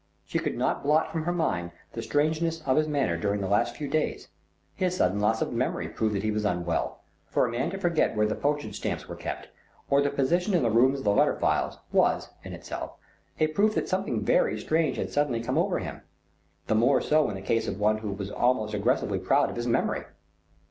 She could not blot from her mind the strangeness of his manner during the last few days. His sudden loss of memory proved that he was unwell. For a man to forget where the postage stamps are kept, or the position in the room of the letter files, was, in itself, a proof that something very strange had suddenly come over him, the more so in the case of one who was almost aggressively proud of his memory.